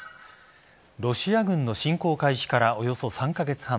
ロシア軍の侵攻開始からおよそ３カ月半。